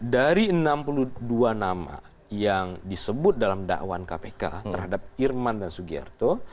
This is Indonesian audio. dari enam puluh dua nama yang disebut dalam dakwaan kpk terhadap irman dan sugiharto